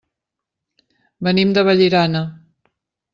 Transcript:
Venim de Vallirana.